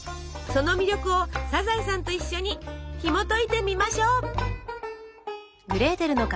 その魅力をサザエさんと一緒にひもといてみましょう。